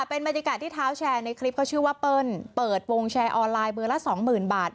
เป็นบรรยากาศที่เท้าแชร์ในคลิปเขาชื่อว่าเปิ้ลเปิดวงแชร์ออนไลน์เบอร์ละสองหมื่นบาท